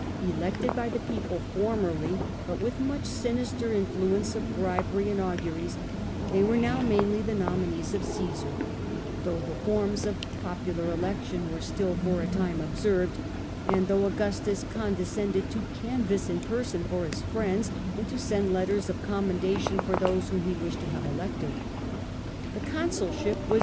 Elected by the people formerly, but with much sinister influence of bribery and auguries, they were now mainly the nominees of Caesar, though the forms of popular election were still for a time observed, and though Augustus condescended to canvass in person for his friends and to send letters of commendation for those whom he wished to have elected. The consulship was.